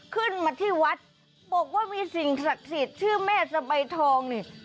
ขึ้นมาที่วัดบอกว่ามีสิ่งศักดิ์สิทธิ์ชื่อแม่สะใบทองนี่